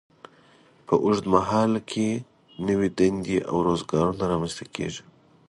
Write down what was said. په اوږد مهال کې نوې دندې او روزګارونه رامینځته کیږي.